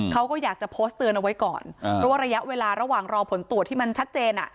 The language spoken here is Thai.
เขาก็อยากจะโพสต์เตือนเอาไว้ก่อนเพราะว่าระยะเวลาระหว่างรอผลตรวจที่มันชัดเจนอ่ะ